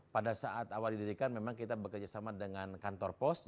pada saat awal dididikan memang kita bekerja sama dengan kantor pos